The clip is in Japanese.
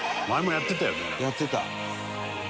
「やってた」